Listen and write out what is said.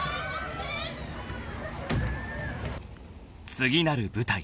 ［次なる舞台